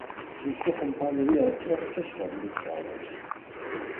Il suo compagno di destra cessò di russare.